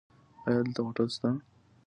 ایا دلته هوټل شته؟